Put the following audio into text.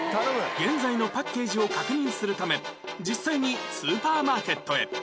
現在のパッケージを確認するため実際にスーパーマーケットへ